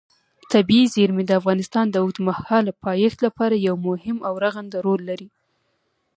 طبیعي زیرمې د افغانستان د اوږدمهاله پایښت لپاره یو مهم او رغنده رول لري.